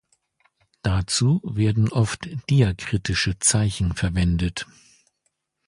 Dazu werden oft diakritische Zeichen verwendet.